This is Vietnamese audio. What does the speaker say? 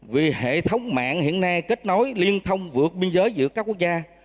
vì hệ thống mạng hiện nay kết nối liên thông vượt biên giới giữa các quốc gia